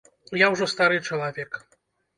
Я ўжо стары чалавек.